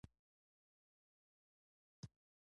کنه خوار ذلیل به ګرځئ په دنیا کې.